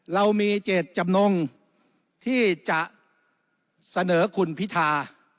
เรามีเจตจำนงที่จะเสนอคุณพิธา